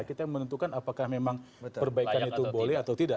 kita menentukan apakah memang perbaikan itu boleh atau tidak